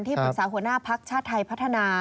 ที่เป็นสาหัวหน้าภักร์ชาติไทยพัฒนา